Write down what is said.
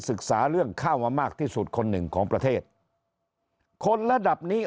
ศึกษาเรื่องข้าวมามากที่สุดคนหนึ่งของประเทศคนระดับนี้